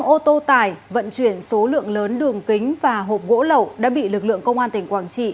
một mươi năm ô tô tải vận chuyển số lượng lớn đường kính và hộp gỗ lẩu đã bị lực lượng công an tỉnh quảng trị